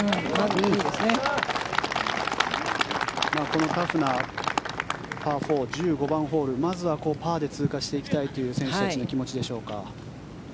このタフなパー４１５番ホールまずはパーで通過していきたいという選手たちの気持ちでしょうか。